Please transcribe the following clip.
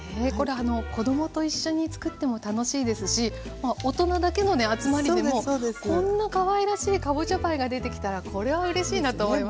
子供と一緒につくっても楽しいですし大人だけのね集まりでもこんなかわいらしいかぼちゃパイが出てきたらこれはうれしいなと思います。